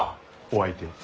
お相手を。